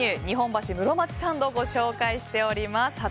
日本橋室町サンドをご紹介しております